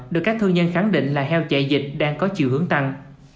được các thương nhân khẳng định là heo chạy dịch đang có chiều hướng tăng